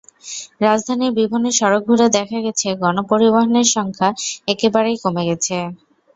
রাজধানীর বিভিন্ন সড়ক ঘুরে দেখা গেছে, গণপরিবহনের সংখ্যা একে বারেই কমে গেছে।